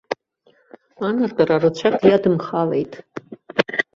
Анатәара рацәак иадымхалеит.